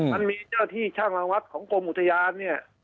มันมีเจ้าที่ช่างระวัดของกรมอุทยานเนี่ย